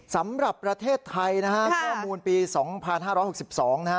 สำหรับประเทศไทยนะฮะข้อมูลปี๒๕๖๒นะฮะ